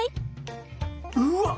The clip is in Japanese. うわっ！